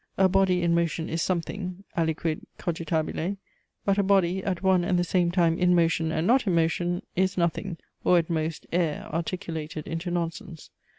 A body in motion is something Aliquid cogitabile; but a body, at one and the same time in motion and not in motion, is nothing, or, at most, air articulated into nonsense.